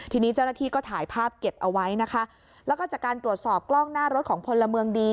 ทีนี้เจ้าหน้าที่ก็ถ่ายภาพเก็บเอาไว้นะคะแล้วก็จากการตรวจสอบกล้องหน้ารถของพลเมืองดี